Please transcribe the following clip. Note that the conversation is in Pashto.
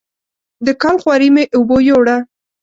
د کال خواري مې اوبو یووړه.